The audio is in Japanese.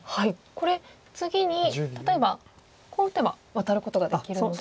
これ次に例えばこう打てばワタることができるので。